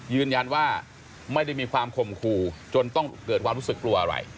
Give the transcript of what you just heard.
ยืนยันว่าไม่ได้มีความข่มขู่จนต้องเกิดความรู้สึกกลัวอะไร